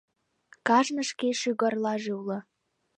— Кажнын шке шӱгарлаже уло.